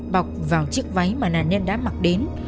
bọc vào chiếc váy mà nạn nhân đã mặc đến